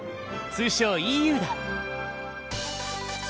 通称ＥＵだ。